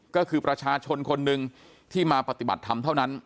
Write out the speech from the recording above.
ก็คือประชาชนคนหนึ่งที่มาปฏิบัติธรรมเท่านั้น